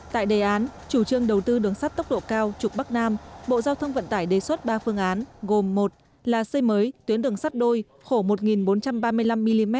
tại đề án chủ trương đầu tư đường sắt tốc độ cao trục bắc nam bộ giao thông vận tải đề xuất ba phương án gồm một là xây mới tuyến đường sắt đôi khổ một bốn trăm ba mươi năm mm